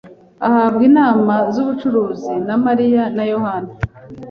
ahabwa inama zubucuruzi na Mariya na Yohana.